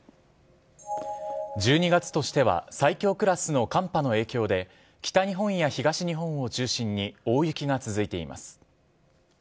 １２月としては最強クラスの寒波の影響で、北日本や東日本を中心に大雪が続いています。